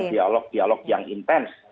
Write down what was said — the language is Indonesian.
dialog dialog yang intens